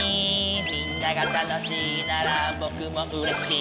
「みんなが楽しいならぼくもうれしい」